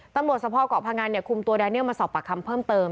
ตำรวจสะพอเกาะภังงานเนี่ยคุมตัวแดเนียลมาสอบปากคำเพิ่มเติม